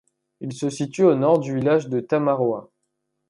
Il se situe au nord du village de Tamaroa.